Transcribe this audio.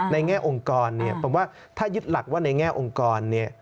แง่องค์กรเนี่ยผมว่าถ้ายึดหลักว่าในแง่องค์กรเนี่ย